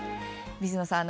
水野さん